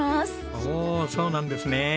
おおそうなんですね。